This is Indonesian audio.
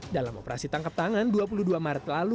dalam operasi tangkap tangan dua puluh dua maret lalu